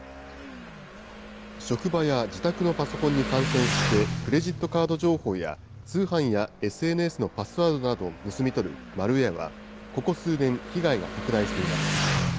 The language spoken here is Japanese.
職場や自宅のパソコンに感染して、クレジットカード情報や、通販やＳＮＳのパスワードなどを盗み取るマルウエアは、ここ数年、被害が拡大しています。